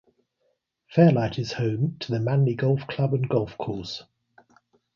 Fairlight is home to the Manly Golf Club and Golf Course.